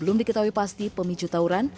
belum diketahui pasti pemicu tawuran